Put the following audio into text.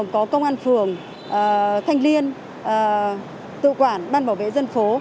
có công an phường thanh liên tự quản ban bảo vệ dân phố